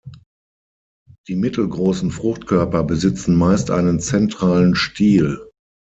Die mittelgroßen Fruchtkörper besitzen meist einen zentralen Stiel.